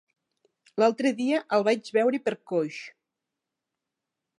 L'altre dia el vaig veure per Coix.